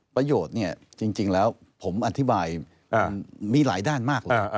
ประโยชน์เนี่ยจริงแล้วผมอธิบายมีหลายด้านมากเลย